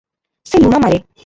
ସେ ଲୁଣ ମାରେ ।